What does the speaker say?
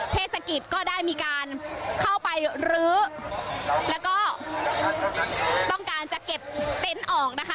เทศกิจก็ได้มีการเข้าไปรื้อแล้วก็ต้องการจะเก็บเต็นต์ออกนะคะ